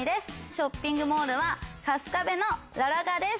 ショッピングモールは春日部のララガです。